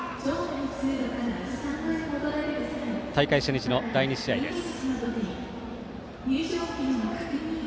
大会初日の第２試合です。